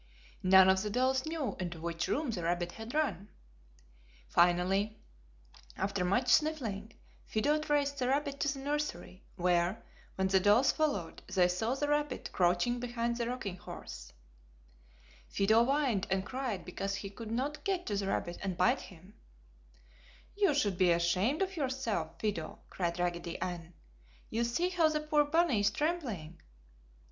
None of the dolls knew into which room the rabbit had run. Finally, after much sniffing, Fido traced the rabbit to the nursery, where, when the dolls followed, they saw the rabbit crouching behind the rocking horse. [Illustration: Looking out of the door] [Illustration: Raggedy Andy and the rabbit] Fido whined and cried because he could not get to the rabbit and bite him. "You should be ashamed of yourself, Fido!" cried Raggedy Ann. "Just see how the poor bunny is trembling!"